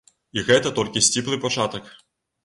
І гэта толькі сціплы пачатак.